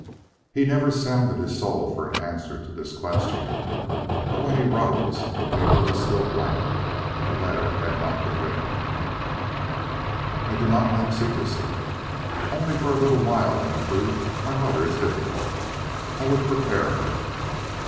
He never sounded his soul for an answer to this question; but when he rose, the paper was still blank. The letter had not been written. "I do not like secrecy." "Only for a little while, Ermentrude. My mother is difficult. I would prepare her."